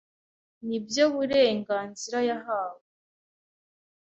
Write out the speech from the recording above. nibyo burenganzira yahawe